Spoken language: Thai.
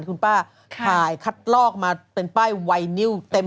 ถูกผ่ายคาดลอกมาเป็นป้ายไวยนิ่ว